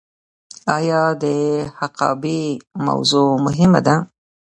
آیا د حقابې موضوع مهمه ده؟